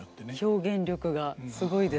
表現力がすごいですね。